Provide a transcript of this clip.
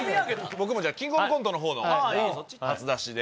僕もじゃあ『キングオブコント』のほうの初出しで。